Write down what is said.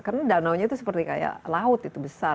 karena danaunya itu seperti kayak laut itu besar